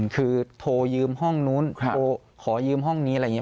คือโทรยืมห้องนู้นโทรขอยืมห้องนี้อะไรอย่างนี้